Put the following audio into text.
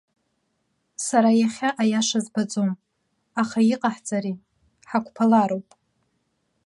Сара иахьа аиаша збаӡом, аха иҟаҳҵари, ҳақәԥалароуп.